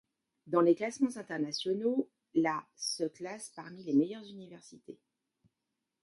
Dans les classements internationaux, la se classe parmi les meilleures universités.